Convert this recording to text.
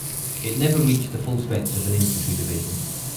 It never reached the full strength of an infantry division.